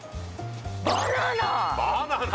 バナナ